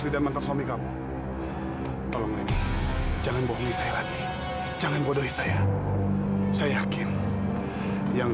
tidak mentersomong kamu tolong jangan bohongi saya lagi jangan bodoh saya saya yakin yang